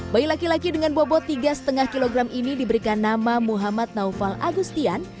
bayi laki laki dengan bobot tiga lima kg ini diberikan nama muhammad naufal agustian